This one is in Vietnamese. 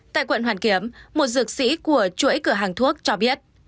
tại quận hoàn kiếm một dược sĩ của chuỗi cửa hàng thuốc cho biết